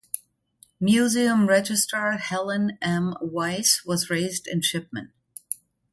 Museum registrar Helena M. Weiss was raised in Shipman.